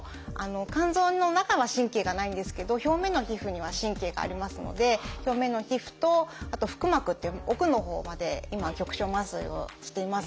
肝臓の中は神経がないんですけど表面の皮膚には神経がありますので表面の皮膚とあと腹膜っていう奥のほうまで今局所麻酔をしています。